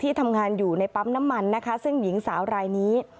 ทำงานอยู่ในปั๊มน้ำมันนะคะซึ่งหญิงสาวรายนี้